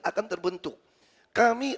akan terbentuk kami